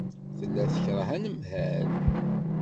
Tella tekṛeh anemhal.